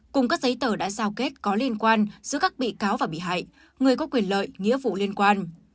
cùng các giấy tờ đã giao kết có liên quan giữa các bị cáo và bị hại người có quyền lợi nghĩa vụ liên quan